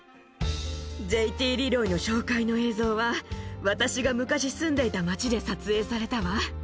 ＪＴリロイの紹介の映像は、私が昔住んでいた町で撮影されたわ。